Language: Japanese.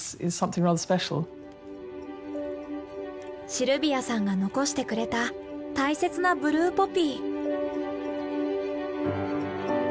シルビアさんが残してくれた大切なブルーポピー。